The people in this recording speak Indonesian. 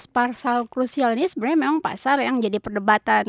empat belas parsal krusial ini sebenarnya memang pasar yang jadi perdebatan